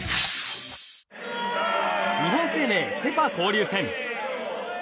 日本生命セ・パ交流戦。